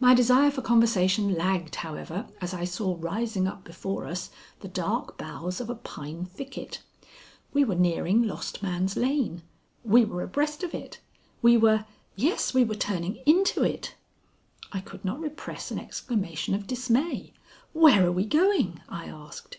My desire for conversation lagged, however, as I saw rising up before us the dark boughs of a pine thicket. We were nearing Lost Man's Lane; we were abreast of it; we were yes, we were turning into it! I could not repress an exclamation of dismay. "Where are we going?" I asked.